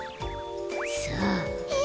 さあ。